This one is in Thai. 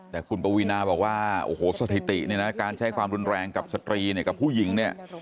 แต่คุณปวีนาบอกว่าสถิติในการใช้ความรุนแรงกับสตรีกับผู้หญิง